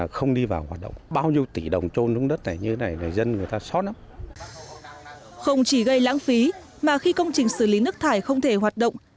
không chỉ gây lãng phí mà khi công trình xử lý nước thải không thể hoạt động